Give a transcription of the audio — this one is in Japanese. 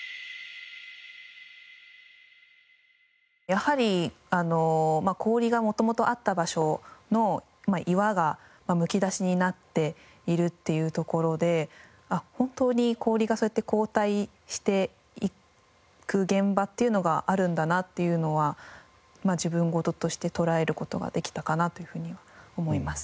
やはり氷が元々あった場所の岩がむき出しになっているっていうところで本当に氷がそうやって後退していく現場っていうのがあるんだなっていうのは自分事として捉える事ができたかなというふうには思います。